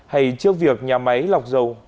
hay trước việc nhà máy lọc dầu